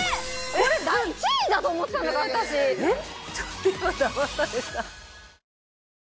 これ１位だと思ってた私えっ？